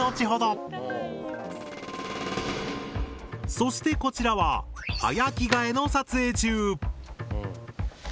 そしてこちらは早着替えの撮影中。